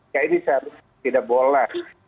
kayak ini saya tidak boleh